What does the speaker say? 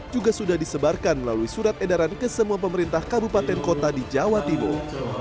juga sudah disebarkan melalui surat edaran ke semua pemerintah kabupaten kota di jawa timur